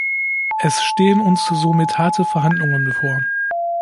Es stehen uns somit harte Verhandlungen bevor.